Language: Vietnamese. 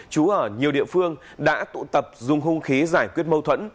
chú ở nhiều địa phương đã tụ tập dùng hung khí giải quyết mâu thuẫn